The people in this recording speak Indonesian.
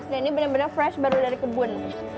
dan ini benar benar fresh baru dari kebun